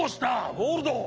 ゴールド。